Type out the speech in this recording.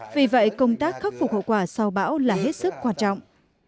vì vậy công tác khắc phục hậu quả sau bão là hết sức quan trọng